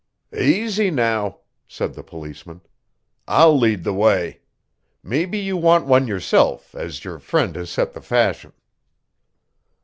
"Aisy, now," said the policeman. "I'll lead the way. Maybe you want one yourself, as your friend has set the fashion."